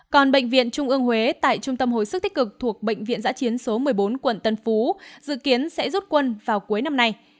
còn bệnh viện trung ương huế tại trung tâm hồi sức tích cực thuộc bệnh viện giã chiến số một mươi bốn quận tân phú dự kiến sẽ rút quân vào cuối năm nay